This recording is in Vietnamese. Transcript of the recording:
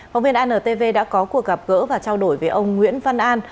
phóng viên antv đã có cuộc gặp gỡ và trao đổi với ông nguyễn văn an